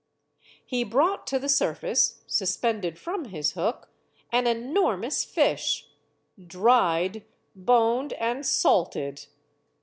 He brought to the surface, suspended from his hook, an enormous fish dried, boned, and salted!